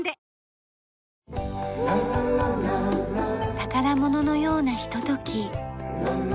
宝物のようなひととき。